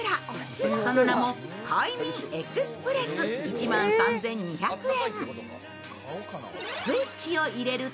その名も快眠エクスプレス、１万３２００円。